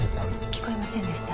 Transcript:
聞こえませんでした。